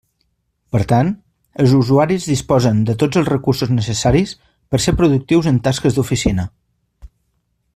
Per tant, els usuaris disposen de tots els recursos necessaris per ser productius en tasques d'oficina.